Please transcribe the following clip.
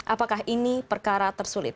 apakah ini perkara tersulit